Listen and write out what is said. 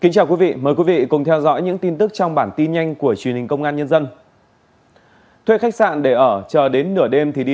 cảm ơn các bạn đã theo dõi